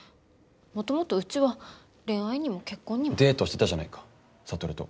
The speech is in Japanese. もともとうちは恋愛にも結婚にも。デートしてたじゃないか智と。